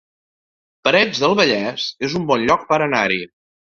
Parets del Vallès es un bon lloc per anar-hi